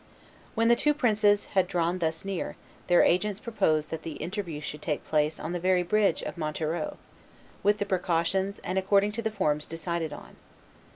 When the two princes had drawn thus near, their agents proposed that the interview should take place on the very bridge of Montereau, with the precautions and according to the forms decided on.